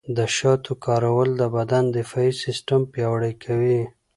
د شاتو کارول د بدن دفاعي سیستم پیاوړی کوي.